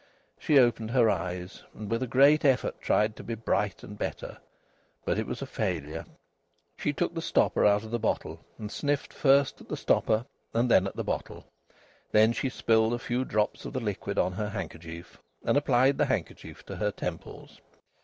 She opened her eyes, and with a great effort tried to be bright and better. But it was a failure. She took the stopper out of the bottle and sniffed first at the stopper and then at the bottle; then she spilled a few drops of the liquid on her handkerchief and applied the handkerchief to her temples.